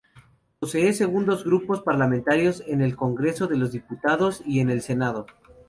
Posee sendos grupos parlamentarios en el Congreso de los Diputados y en el Senado.